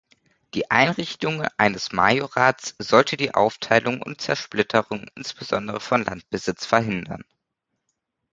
Die Einrichtung eines Majorats sollte die Aufteilung und Zersplitterung insbesondere von Landbesitz verhindern.